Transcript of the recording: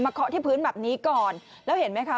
เคาะที่พื้นแบบนี้ก่อนแล้วเห็นไหมคะ